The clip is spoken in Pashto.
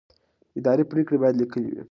اداري پرېکړې باید لیکلې وي.